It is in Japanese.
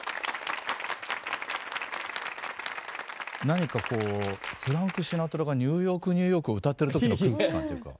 何かこうフランク・シナトラが「ニューヨーク・ニューヨーク」を歌ってる時の空気感っていうか。